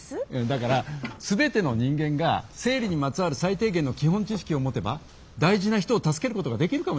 だから全ての人間が生理にまつわる最低限の基本知識を持てば大事な人を助けることができるかもしれない。